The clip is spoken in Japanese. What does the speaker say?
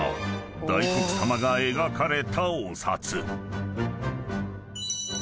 ［大黒様が描かれたお札］